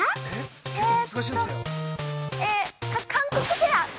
◆えっと、韓国フェア。